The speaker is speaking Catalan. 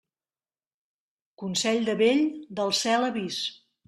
Consell de vell, del cel avís.